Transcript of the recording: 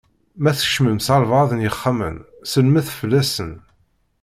Ma tkecmem s albaɛḍ n yexxamen, sellmet fell-asen.